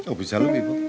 oh bisa lebih bu